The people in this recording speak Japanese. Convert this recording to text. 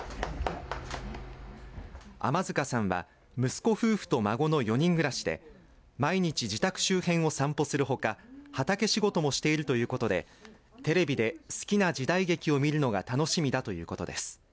雨塚さんは息子夫婦と孫の４人暮らしで毎日自宅周辺を散歩するほか畑仕事もしているということでテレビで好きな時代劇を見るのが楽しみだということです。